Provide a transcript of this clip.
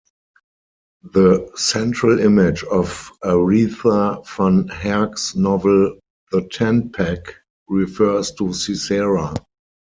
The central image of Aritha van Herk's novel 'The Tent Peg' refers to Sisera.